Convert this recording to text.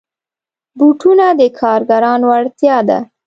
بوټونه د کارګرانو اړتیا ده.